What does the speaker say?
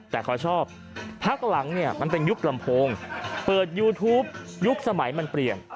แต่เขาชอบพักหลังเนี่ยมันเป็นยุคลำโพงเปิดยูทูปยุคสมัยมันเปลี่ยน